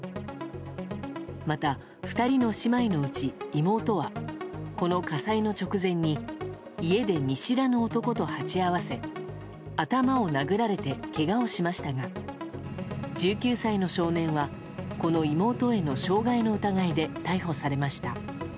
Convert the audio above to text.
また、２人の姉妹のうち妹はこの火災の直前に家で見知らぬ男と鉢合わせ頭を殴られてけがをしましたが１９歳の少年はこの妹への傷害の疑いで逮捕されました。